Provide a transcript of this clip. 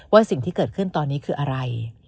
สิ่งที่เกิดขึ้นตอนนี้คืออะไร